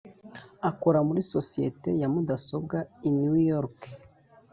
akora muri sosiyete ya mudasobwa i new york